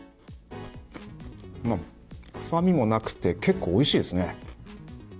臭みもなくて結構おいしいですね。